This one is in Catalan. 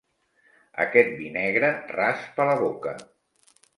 Aquest vi negre raspa la boca.